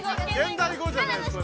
現代語じゃないそれは。